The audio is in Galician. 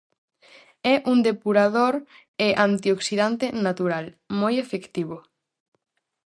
É un depurador e antioxidante natural, moi efectivo.